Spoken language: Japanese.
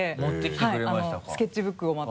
はいスケッチブックをまた。